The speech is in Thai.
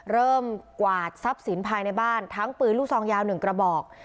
เริ่มกวาดทรัพย์สินภายในบ้านทั้งปืนรูซองยาวหนึ่งกระบอก